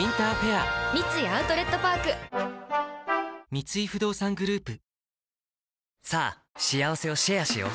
三井不動産グループさぁしあわせをシェアしよう。